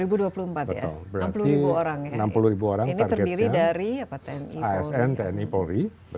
berarti enam puluh ribu orang targetnya asn tni polri